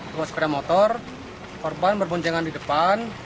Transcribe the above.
dua sepeda motor korban berboncengan di depan